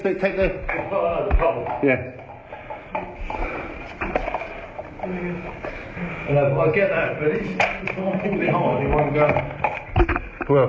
อีเฟ้ยร่วมตลอดแล้ว